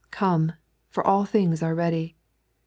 Oome, for all things are ready.